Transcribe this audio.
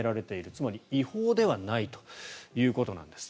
つまり違法ではないということなんです。